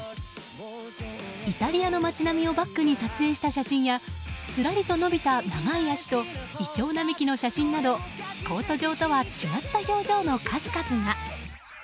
イタリアの街並みをバックに撮影した写真やすらりと伸びた長い足とイチョウ並木の写真などコート上とは違った表情の数々が。